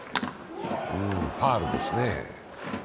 うーん、ファウルですね。